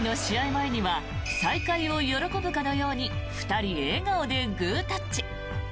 前には再会を喜ぶかのように２人笑顔でグータッチ。